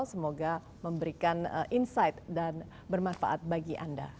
semoga memberikan insight dan bermanfaat bagi anda